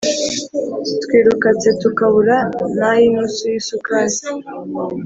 twirukatse tukabura nayinusu y’isukari